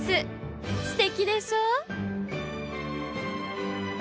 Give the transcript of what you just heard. すてきでしょう？